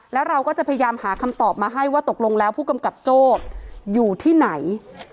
แล้วเราก็จะพยายามหาคำตอบมาให้ว่าตกลงแล้วผู้กำกับโจ้อยู่ที่ไหน